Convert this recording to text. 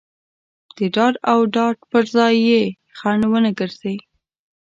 د داد او ډاډ پر ځای یې خنډ ونه ګرځي.